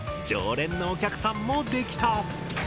常連のお客さんもできた。